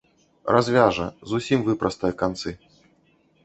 Развяжа, зусім выпрастае канцы.